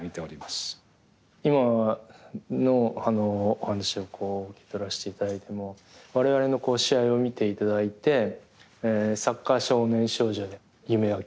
今のお話を受け取らせていただいても我々の試合を見ていただいてサッカー少年少女に夢や希望を持ってもらう。